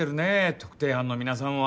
特定班の皆さんは。